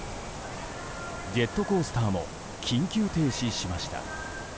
ジェットコースターも緊急停止しました。